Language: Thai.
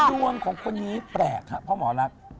ด้วยของคนนี้แปลกค่ะพ่อหมอรับ